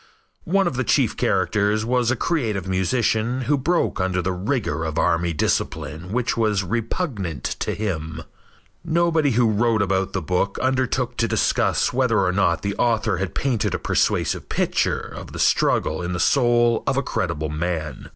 One of the chief characters was a creative musician who broke under the rigor of army discipline which was repugnant to him. Nobody who wrote about the book undertook to discuss whether or not the author had painted a persuasive picture of the struggle in the soul of a credible man.